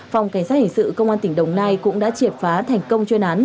phòng cảnh sát hình sự công an tỉnh đồng nai cũng đã triệt phá thành công chuyên án